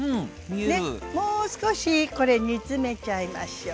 もう少しこれ煮詰めちゃいましょう。